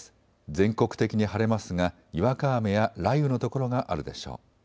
全国的に晴れますがにわか雨や雷雨の所があるでしょう。